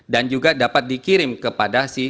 dan juga dapat dikirim kepada si